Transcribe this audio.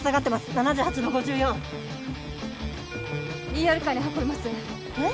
７８の５４ＥＲカーに運びますえっ？